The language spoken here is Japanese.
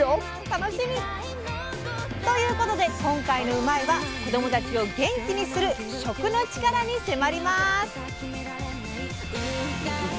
楽しみ！ということで今回の「うまいッ！」は子どもたちを元気にする食の力に迫ります！